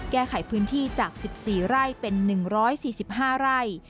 แก้ไขพื้นที่จาก๑๔ไร่เป็น๑๔๕ไร่